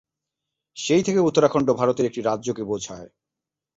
সেই থেকে উত্তরাখণ্ড ভারতের একটি রাজ্যকে বোঝায়।